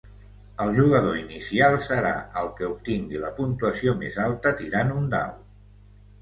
El jugador inicial serà el que obtingui la puntuació més alta tirant un dau.